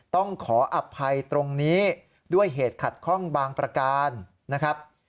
ต้องขออภัยตรงนี้ด้วยเหตุขัดข้องบางประการนะครับ